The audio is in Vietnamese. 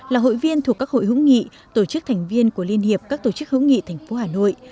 là hội viên thuộc các hội hữu nghị tổ chức thành viên của liên hiệp các tổ chức hữu nghị thành phố hà nội